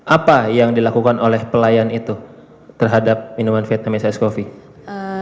apa yang dilakukan oleh pelayan itu terhadap minuman vietnamese ice coffee